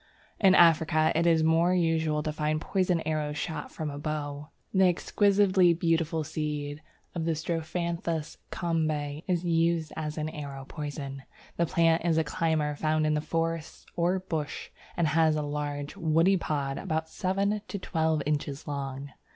In Africa it is more usual to find poisoned arrows shot from a bow. The exquisitely beautiful seed of Strophanthus Kombe is used as an arrow poison. The plant is a climber found in forests or bush, and has large woody pods about seven to twelve inches long.